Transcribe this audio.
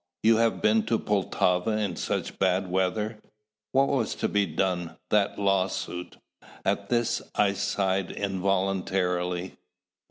you have been to Poltava in such bad weather?" "What was to be done? that lawsuit " At this I sighed involuntarily.